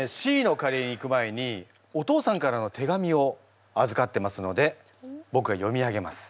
Ｃのカレーに行く前にお父さんからの手紙をあずかってますのでぼくが読み上げます。